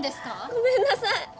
ごめんなさい